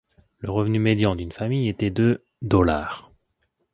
Le revenu médian d'une famille était de $.